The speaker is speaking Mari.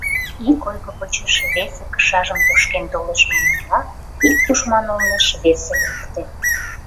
Ик ойго почеш весе кышажым тошкен толеш, манмыла, ик тушман олмеш весе лекте.